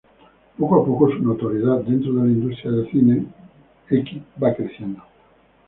Poco a poco su notoriedad dentro de la industria del cine X va creciendo.